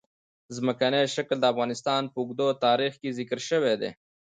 ځمکنی شکل د افغانستان په اوږده تاریخ کې ذکر شوې ده.